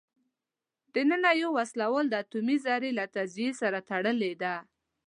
دننه یوه وسیله د اټومي ذرې له تجزیې سره تړلې ده.